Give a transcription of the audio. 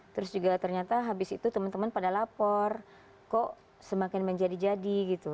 terus juga ternyata habis itu teman teman pada lapor kok semakin menjadi jadi gitu